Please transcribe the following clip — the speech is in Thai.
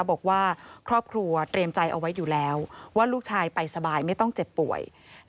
บอกว่าครอบครัวเตรียมใจเอาไว้อยู่แล้วว่าลูกชายไปสบายไม่ต้องเจ็บป่วย